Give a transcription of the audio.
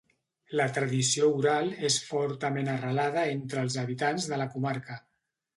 La tradició oral és fortament arrelada entre els habitants de la comarca.